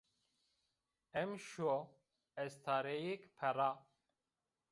Emşo estareyêk pera